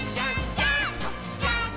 ジャンプ！！」